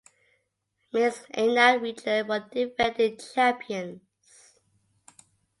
Mis Ainak Region were the defending champions.